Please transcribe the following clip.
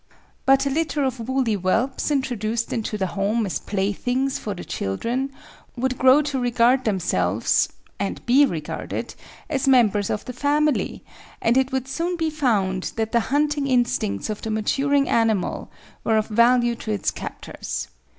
But a litter of woolly whelps introduced into the home as playthings for the children would grow to regard themselves, and be regarded, as members of the family, and it would soon be found that the hunting instincts of the maturing animal were of value to his captors.